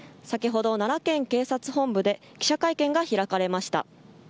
先ほど、奈良県警察本部で記者会見が開かれました。